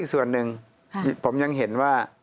อีกส่วนนึงผมยังเห็นว่า